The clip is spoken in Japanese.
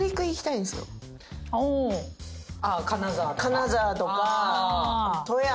金沢とか？